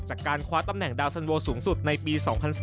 จากการคว้าตำแหน่งดาวสันโวสูงสุดในปี๒๐๐๔